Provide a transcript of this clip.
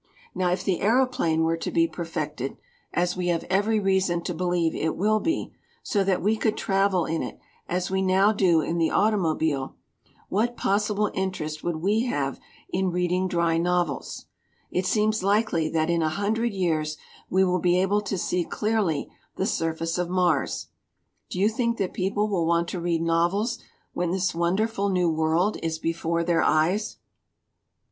"Now, if the aeroplane were to be perfected as we have every reason to believe it will be so that we could travel in it as we now do in the 189 LITERATURE IN THE MAKING automobile, what possible interest would we have in reading dry novels? It seems likely that in a hundred years we will be able to see clearly the surface of Mars do you think that people will want to read novels when this wonderful new world is before their eyes?